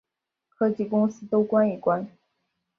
科技公司都关一关